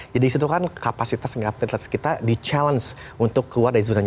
jadi disitu kan kapasitas kita di challenge untuk keluar dari zona jaringan